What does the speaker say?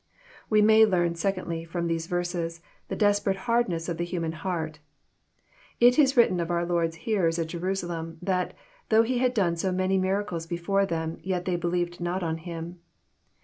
We may learn, secondly, from these verses, the desperate hardness of the human h^art. It is written of our Lord's hearers at Jerusalem, that, *^ though he had done so many miracles before them, yet they believed not on Him."